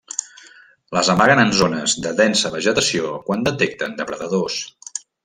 Les amaguen en zones de densa vegetació quan detecten depredadors.